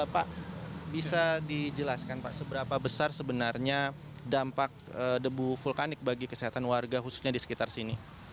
pak bisa dijelaskan pak seberapa besar sebenarnya dampak debu vulkanik bagi kesehatan warga khususnya di sekitar sini